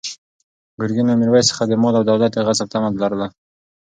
ګرګین له میرویس څخه د مال او دولت د غصب طمع لرله.